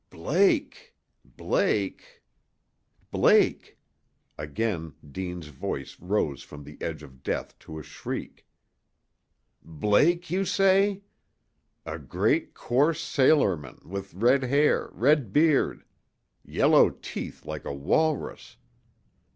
"Blake! Blake! Blake!" Again Deane's voice rose from the edge of death to a shriek. "Blake, you say? A great coarse sailorman, with red hair red beard yellow teeth like a walrus!